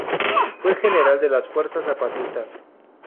Fue general de las fuerzas zapatistas.